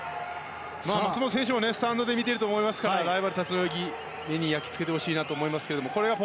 松元選手もスタンドで見ていると思いますからライバルたちの泳ぎを目に焼き付きつけてほしいなと思います。